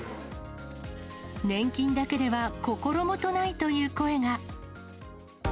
年金だけでは心もとないという声が。